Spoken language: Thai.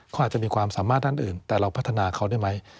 เขาอาจจะมีความสามารถด้านอื่นแต่เราพัฒนาเขาได้ไหม